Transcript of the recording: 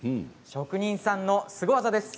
職人さんのスゴ技です。